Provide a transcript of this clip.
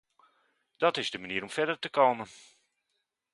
Dat is de manier om verder te komen.